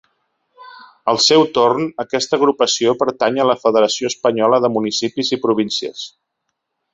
Al seu torn aquesta agrupació pertany a la Federació Espanyola de Municipis i Províncies.